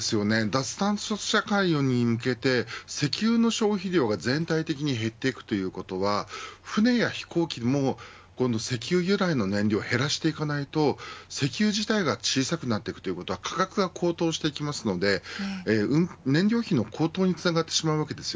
脱炭素社会に向けて石油の消費量が全体的に減っていくということは船や飛行機も石油由来の燃料は減らしていかないと石油自体が小さくなっていくということは価格が高騰していきますので燃料費の高騰につながってしまうわけです。